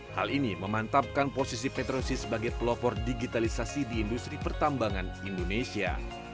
hal ini memantapkan posisi petrosi sebagai pelopor digitalisasi di industri pertambangan indonesia